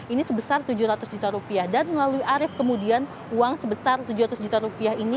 ini sebesar tujuh ratus juta rupiah dan melalui arief kemudian uang sebesar tujuh ratus juta rupiah ini